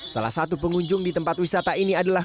salah satu pengunjung di tempat wisata ini adalah